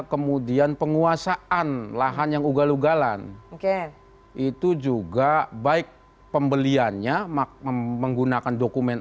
kemudian penguasaan lahan yang ugal ugalan oke itu juga baik pembeliannya menggunakan dokumen